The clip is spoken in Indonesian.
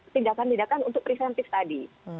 tindakan tindakan untuk preventif tadi